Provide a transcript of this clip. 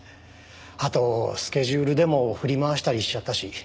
あとスケジュールでも振り回したりしちゃったし。